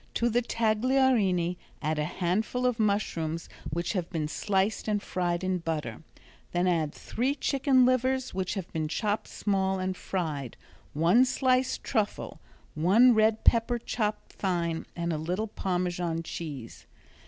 To the tagliarini add a handful of mushrooms which have been sliced and fried in butter. Then add three chicken livers which have been chopped small and fried, one sliced truffle, one red pepper chopped fine and a little Parmesan cheese.